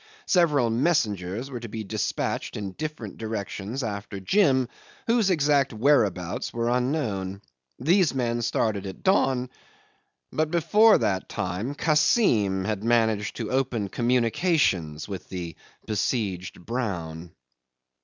Several messengers were to be dispatched in different directions after Jim, whose exact whereabouts were unknown. These men started at dawn, but before that time Kassim had managed to open communications with the besieged Brown.